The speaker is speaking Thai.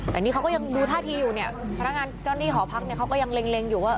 แต่นี่เขาก็ยังดูท่าทีอยู่เนี่ยพนักงานเจ้าหน้าที่หอพักเนี่ยเขาก็ยังเล็งอยู่ว่า